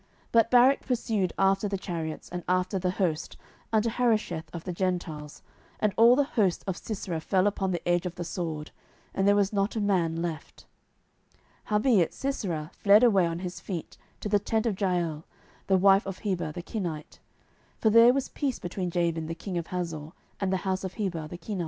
07:004:016 But Barak pursued after the chariots, and after the host, unto Harosheth of the Gentiles: and all the host of Sisera fell upon the edge of the sword; and there was not a man left. 07:004:017 Howbeit Sisera fled away on his feet to the tent of Jael the wife of Heber the Kenite: for there was peace between Jabin the king of Hazor and the house of Heber the Kenite.